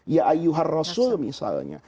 ya ayuharr rasul misalnya